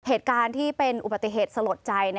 เหตุการณ์ที่เป็นอุปตโธษศรัลจ์ใจ